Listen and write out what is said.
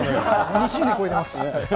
２０年超えてますよ。